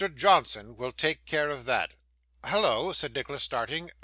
Johnson will take care of that.' 'Hallo!' said Nicholas, starting.